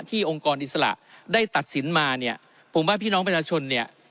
องค์กรอิสระได้ตัดสินมาเนี่ยผมว่าพี่น้องประชาชนเนี่ย